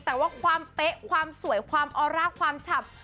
แต่ว่าความเป๊ะความสวยความออร่าความฉ่ำ